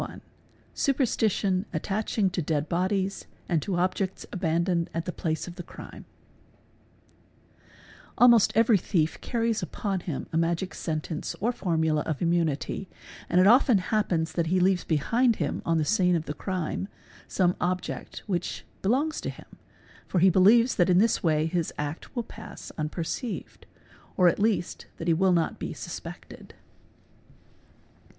—Superstition attaching to dead bodies and to objects abandoned at the place of the crime. AE ee aes _ Almost every thief carries upon him a magic sentence or formula of immunity, and it often happens that he leaves behind him on the scene of the crime some object which belongs to him, for he believes that in this way his act will pass unperceived, or at least that he will not be suspected.